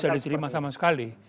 gak bisa diterima sama sekali